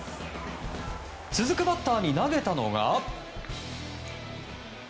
続くバッターに投げたのが。